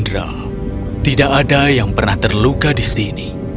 indra tidak ada yang pernah terluka di sini